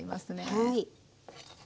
はい。